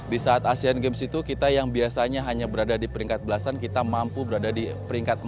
di saat asean games itu kita yang biasanya hanya berada di peringkat belasan kita mampu berada di peringkat empat puluh